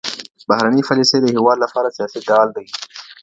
بهرنۍ پالیسي د هیواد لپاره سیاسي ډال دی.